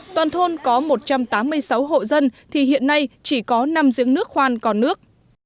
toàn thôn có một trăm tám mươi sáu hộ dân thì hiện nay chỉ có năm giếng nước khoan còn nước